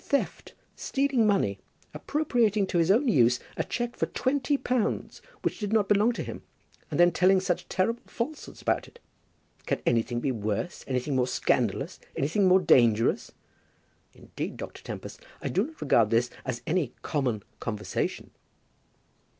Theft! Stealing money! Appropriating to his own use a cheque for twenty pounds which did not belong to him! And then telling such terrible falsehoods about it! Can anything be worse, anything more scandalous, anything more dangerous? Indeed, Dr. Tempest, I do not regard this as any common conversation."